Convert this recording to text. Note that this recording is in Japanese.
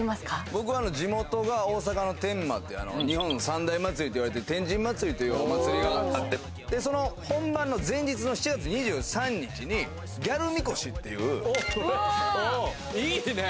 僕は地元が大阪の天満っていう日本三大祭りといわれてる天神祭というお祭りがあっておおその本番の前日の７月２３日にギャルみこしっていうおおいいね！